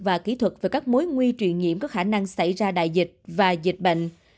và kỹ thuật về các mối nguy truyền nhiễm có khả năng xảy ra đại dịch và dịch bệnh